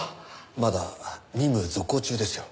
まだ任務続行中ですよ。